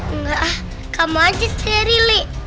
enggak kamu aja yang menakutkan